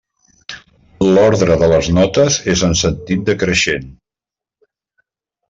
L'ordre de les notes és en sentit decreixent.